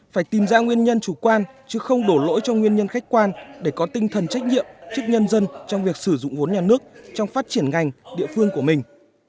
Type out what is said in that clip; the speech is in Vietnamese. phải tìm ra nguyên nhân chủ quan chứ không đổ lỗi cho nguyên nhân khách quan để có tinh thần trách nhiệm trước nhân dân trong việc sử dụng vốn nhà nước trong phát triển ngành địa phương của mình